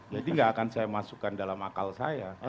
jadi gak akan saya masukkan dalam akal saya